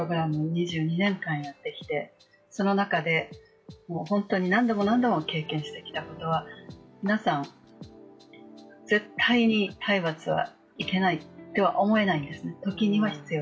２２年間やってきてその中で本当に何度も何度も経験してきたことは、皆さん、絶対に体罰はいけないとは思えないんですね。